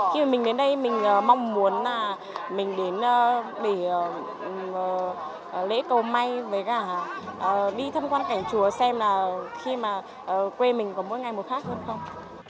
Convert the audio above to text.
khi mình đến đây mình mong muốn là mình đến để lễ cầu may với cả đi thăm quan cảnh chùa xem là khi mà quê mình có mỗi ngày một khác hơn không